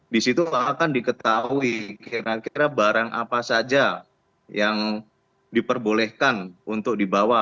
di situ akan diketahui kira kira barang apa saja yang diperbolehkan untuk dibawa